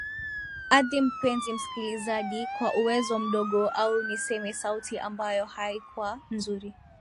adhi mpenzi msikilijazi kwa uwezo mdogo au niseme sauti ambayo haikuwa nzuri